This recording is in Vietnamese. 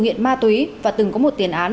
nghiện ma túy và từng có một tiền án